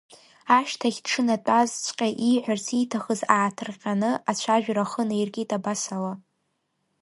Ашьҭахь дшынатәазҵәҟьа ииҳәарц ииҭахыз ааҭырҟьаны ацәажәара ахы наиркит абасала…